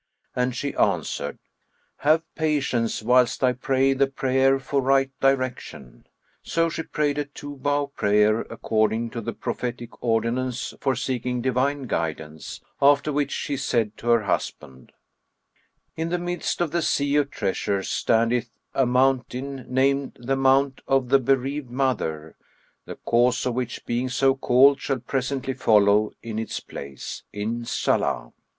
And she answered, "Have patience whilst I pray the prayer for right direction." So she prayed a two bow prayer according to the prophetic[FN#40] ordinance for seeking divine guidance; after which she said to her husband, "In the midst of the Sea of Treasures[FN#41] standeth a mountain named the Mount of the Bereaved Mother (the cause of which being so called shall presently follow in its place, Inshallah!)